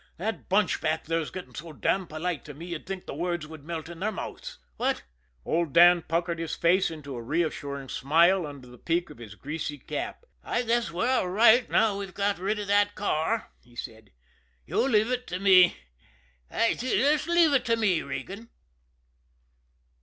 That bunch back there's getting so damned polite to me you'd think the words would melt in their mouths what?" Old Dan puckered his face into a reassuring smile under the peak of his greasy cap. "I guess we're all right now we've got rid of that car," he said. "You leave it to me. You leave it to me, Regan."